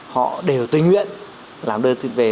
họ đều tình nguyện làm đơn xin về